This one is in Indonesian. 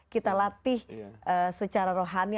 kita latih secara rohani